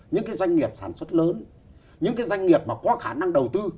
những cái doanh nghiệp sản xuất lớn những cái doanh nghiệp mà có khả năng đầu tư